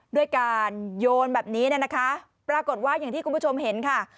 ด้วยการโยนแบบนี้เนี่ยนะคะปรากฏว่าอย่างที่คุณผู้ชมเห็นค่ะ